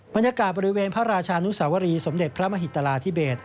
บรรยากาศบริเวณพระราชานุสวรีสมเด็จพระมหิตราธิเบศ